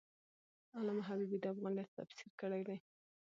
علامه حبیبي د افغانیت تفسیر کړی دی.